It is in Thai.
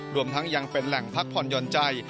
รวมทั้งยังเป็นแหล่งพักผ่อนหย่อนใจ